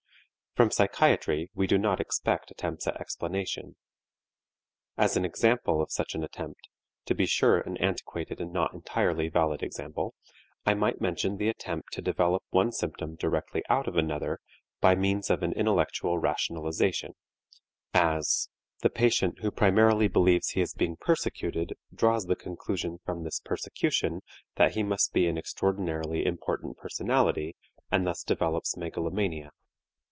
From psychiatry we do not expect attempts at explanation. As an example of such an attempt, to be sure an antiquated and not entirely valid example, I might mention the attempt to develop one symptom directly out of another by means of an intellectual rationalization, as: the patient who primarily believes he is being persecuted draws the conclusion from this persecution that he must be an extraordinarily important personality and thus develops megalomania.